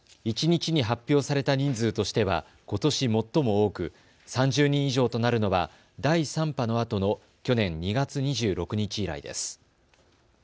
一日に発表された人数としてはことし最も多く３０人以上となるのは第３波のあとの去年２月２６日以来です。